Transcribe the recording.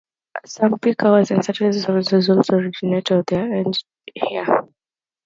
Some peak hour and Saturday services also originate or end their journeys here.